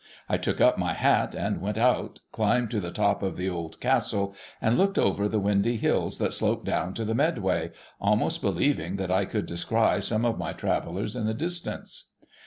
I took up my hat, and went out, climbed to the top of the Old Castle, and looked over the windy hills that slope down to the Medway, almost believing that I could descry some of my Travellers in the distance.